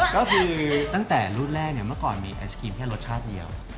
ก็คือตั้งแต่รุ่นแรกเนี่ยเมื่อก่อนมีไอศครีมแค่รสชาติเดียว